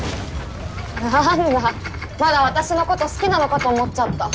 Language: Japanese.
なんだまだ私のこと好きなのかと思っちゃった。